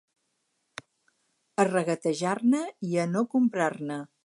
A regatejar-ne, i a no comprar-ne.